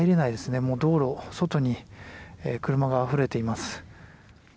もう道路、外に車があふれています。